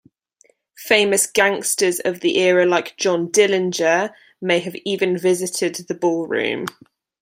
Famous gangsters of the era like John Dillenger may have even visited the ballroom.